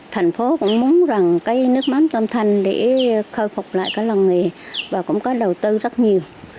thành phố cũng muốn rằng cái nước mắm tâm thanh để khôi phục lại cái làng nghề và cũng có đầu tư rất nhiều